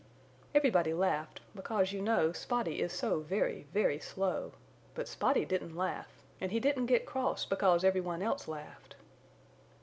Everybody laughed because you know Spotty is so very, very slow but Spotty didn't laugh and he didn't get cross because everyone else laughed.